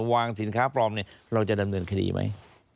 วางสินค้าปลอมเนี่ยเราจะดำเนินคดีไหม